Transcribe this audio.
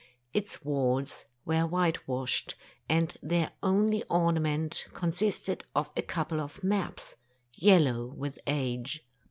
Its walls were whitewashed, and their only ornament con sisted of a couple of maps, yellow with age.